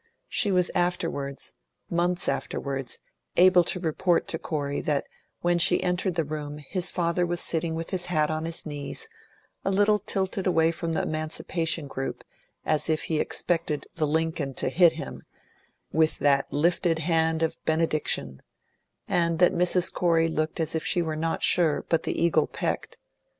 She was afterwards months afterwards able to report to Corey that when she entered the room his father was sitting with his hat on his knees, a little tilted away from the Emancipation group, as if he expected the Lincoln to hit him, with that lifted hand of benediction; and that Mrs. Corey looked as if she were not sure but the Eagle pecked.